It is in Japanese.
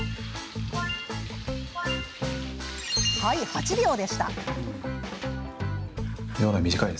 ８秒でした。